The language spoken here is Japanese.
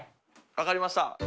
分かりました。